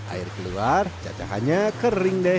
air keluar cacahannya kering deh